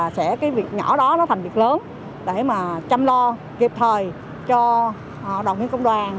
sẽ cái việc nhỏ đó nó thành việc lớn để mà chăm lo kịp thời cho đoàn viên công đoàn